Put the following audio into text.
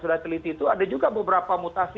sudah teliti itu ada juga beberapa mutasi